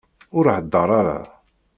Ur heddeṛ ara!